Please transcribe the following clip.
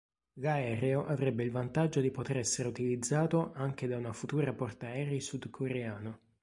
L'aereo avrebbe il vantaggio di poter essere utilizzato anche da una futura portaerei sud-coreana.